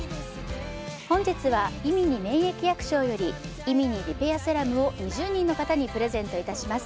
本日はイミニ免疫薬粧より「イミニリペアセラム」を２０人の方にプレゼントいたします